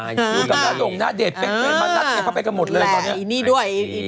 อยู่กับน้องนาเดเป๊ะนัดไปกันหมดเลย